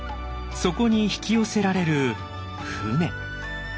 そこに引き寄せられる舟。